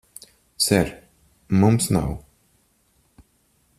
Ser, mums nav...